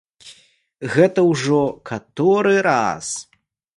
Гэта ўжо каторы раз!